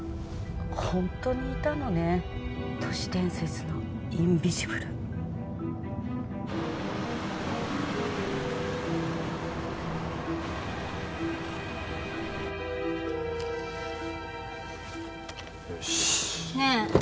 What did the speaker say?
ホントにいたのね都市伝説のインビジブルよしねえ